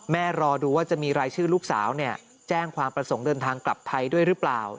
รอดูว่าจะมีรายชื่อลูกสาวแจ้งความประสงค์เดินทางกลับไทยด้วยหรือเปล่า